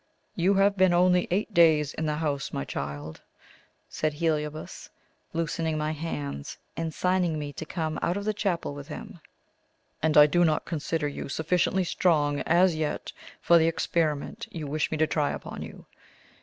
"You have been only eight days in the house, my child," said Heliobas, loosening my hands, and signing me to come out of the chapel with him; "and I do not consider you sufficiently strong as yet for the experiment you wish me to try upon you.